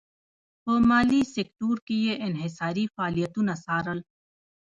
په مالي سکتور کې یې انحصاري فعالیتونه څارل.